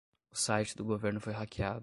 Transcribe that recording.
O site do governo foi hackeado